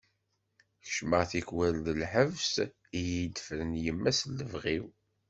Keččmeɣ tikwal deg lḥebs iyi-d-tefren yemma s lebɣi-w.